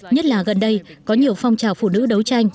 nhất là gần đây có nhiều phong trào phụ nữ đấu tranh